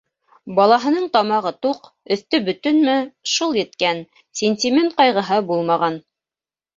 Балаһының тамағы туҡ, өҫтө бөтөнмө - шул еткән, сентимент ҡайғыһы булмаған.